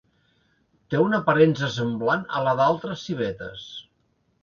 Té una aparença semblant a la d'altres civetes.